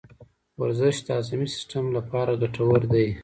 ورزش د هاضمي سیستم لپاره ګټور دی.